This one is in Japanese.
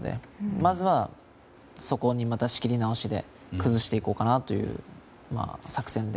まずはそこに仕切り直しで崩していこうかなという作戦で。